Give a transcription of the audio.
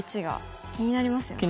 気になりますよね。